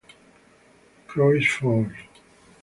Croix Falls.